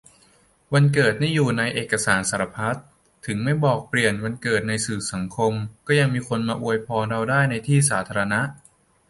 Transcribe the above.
วันเกิดนี่อยู่ในเอกสารสารพัด ถึงไม่บอก-เปลี่ยนวันเกิดในสื่อสังคม ก็ยังมีคนมาอวยพรเราได้ในที่สาธารณะ